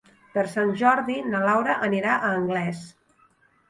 Per Sant Jordi na Laura anirà a Anglès.